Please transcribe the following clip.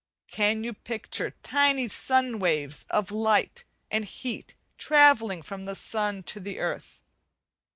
Can you picture tiny sunbeam waves of light and heat travelling from the sun to the earth?